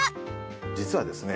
実はですね